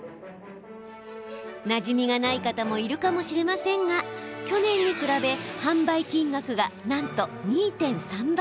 なじみがない方もいるかもしれませんが去年に比べ販売金額がなんと２．３倍。